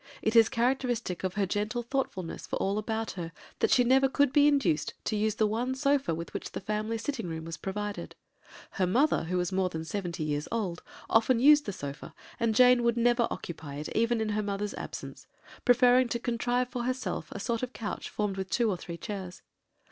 It is characteristic of her gentle thoughtfulness for all about her that she never could be induced to use the one sofa with which the family sitting room was provided. Her mother, who was more than seventy years old, often used the sofa, and Jane would never occupy it, even in her mother's absence, preferring to contrive for herself a sort of couch formed with two or three chairs.